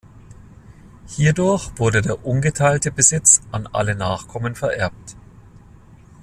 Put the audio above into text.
Hierdurch wurde der ungeteilte Besitz an alle Nachkommen vererbt.